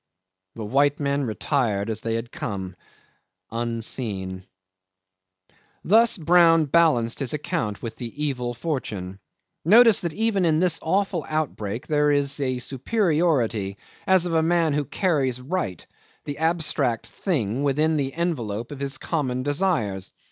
The white men retired as they had come unseen. 'Thus Brown balanced his account with the evil fortune. Notice that even in this awful outbreak there is a superiority as of a man who carries right the abstract thing within the envelope of his common desires.